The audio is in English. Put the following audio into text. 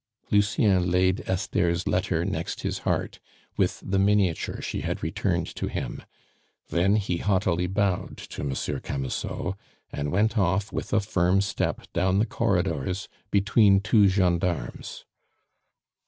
Lucien laid Esther's letter next his heart, with the miniature she had returned to him. Then he haughtily bowed to Monsieur Camusot, and went off with a firm step down the corridors, between two gendarmes.